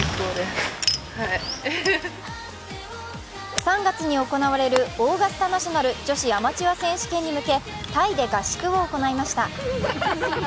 ３月に行われるオーガスタナショナル女子アマチュア選手権に向けタイで合宿を行いました。